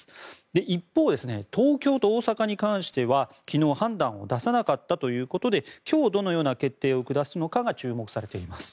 一方、東京と大阪に関しては昨日判断を出さなかったということで今日どのような決定を下すのかが注目されています。